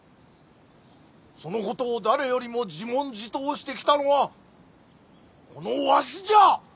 そのことを誰よりも自問自答してきたのはこのわしじゃ！